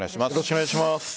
よろしくお願いします。